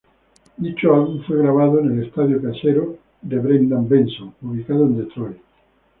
Dicho álbum fue grabado en el estudio casero de Brendan Benson, ubicado en Detroit.